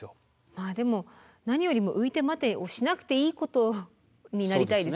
まあでも何よりも「ういてまて」をしなくていいことになりたいですよね。